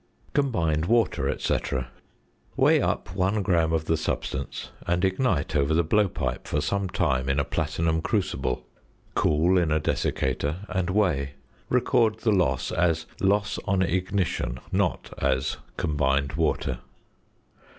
~Combined Water, &c.~ Weigh up 1 gram of the substance, and ignite over the blowpipe for some time in a platinum crucible, cool in a desiccator, and weigh. Record the loss as "loss on ignition," not as "combined water."